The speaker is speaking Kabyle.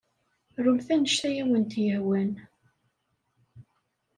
Rumt anect ay awent-yehwan.